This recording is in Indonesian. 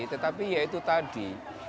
tetapi ya itu tadi